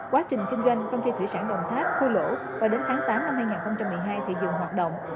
quá trình kinh doanh công ty thủy sản đồng tháp khui lỗ và đến tháng tám năm hai nghìn một mươi hai thị dụng hoạt động